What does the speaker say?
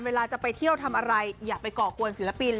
เวลาจะไปเที่ยวทำอะไรอย่าไปก่อกวนศิลปิน